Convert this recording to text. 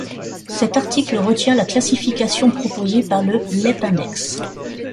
Cet article retient la classification proposée par le LepIndex.